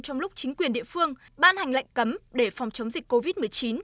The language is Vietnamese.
trong lúc chính quyền địa phương ban hành lệnh cấm để phòng chống dịch covid một mươi chín